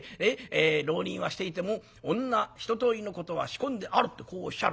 浪人はしていても女一通りのことは仕込んであるってこうおっしゃる。